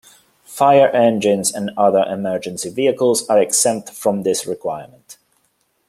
Fire engines and other emergency vehicles are exempt from this requirement.